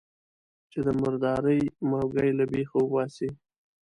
چې د مردارۍ موږی له بېخه وباسي.